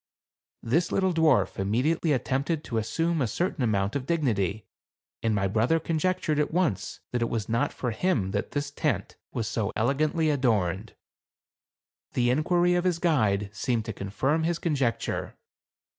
This little dwarf im mediately attempted to assume a certain amount of dignity, and my brother conjectured at once that it was not for him that the tent was so elegantly adorned. The inquiry of his guide seemed to confirm his conjecture.